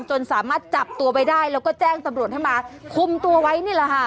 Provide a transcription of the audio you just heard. จนสามารถจับตัวไว้ได้แล้วก็แจ้งตำรวจให้มาคุมตัวไว้นี่แหละค่ะ